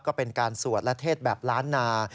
ก็เป็นการสวดและเทศแบบล้านนา